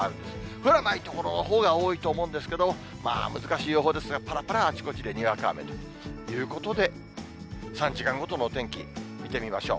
降らない所のほうが多いと思うんですけども、まあ、難しい予報ですが、ぱらぱらあちこちでにわか雨ということで、３時間ごとのお天気見てみましょう。